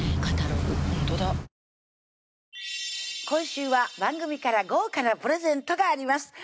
今週は番組から豪華なプレゼントがあります